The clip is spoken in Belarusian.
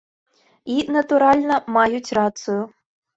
І, натуральна, маюць рацыю.